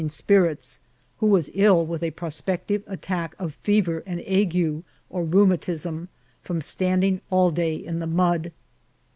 121 ing spirits, who was ill with a prospective attack of fe ver and ague or rheumatism, from standing all day in the mud.